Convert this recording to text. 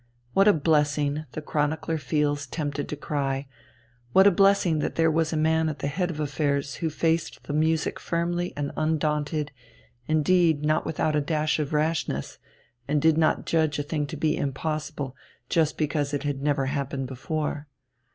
What a blessing, the chronicler feels tempted to cry, what a blessing that there was a man at the head of affairs who faced the music firmly and undaunted, indeed not without a dash of rashness, and did not judge a thing to be impossible just because it had never happened before.